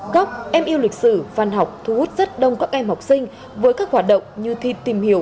góc em yêu lịch sử văn học thu hút rất đông các em học sinh với các hoạt động như thi tìm hiểu